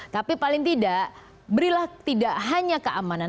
tapi paling tidak berilah tidak hanya keamanan